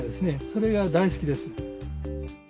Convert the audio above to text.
それが大好きです。